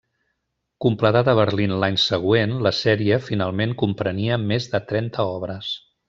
Completat a Berlín l'any següent, la sèrie finalment comprenia més de trenta obres.